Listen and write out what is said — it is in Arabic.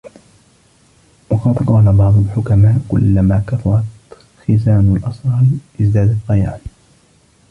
وَقَدْ قَالَ بَعْضُ الْحُكَمَاءِ كُلَّمَا كَثُرَتْ خِزَانُ الْأَسْرَارِ ازْدَادَتْ ضَيَاعًا